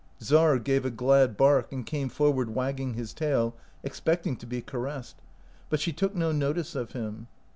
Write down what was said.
Czar gave a glad bark and came forward wagging his tail, expecting to be caressed, but she took no notice of him.